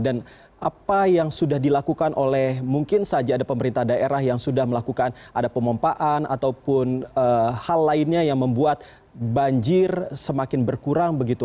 dan apa yang sudah dilakukan oleh mungkin saja ada pemerintah daerah yang sudah melakukan ada pemompaan ataupun hal lainnya yang membuat banjir semakin berkurang begitu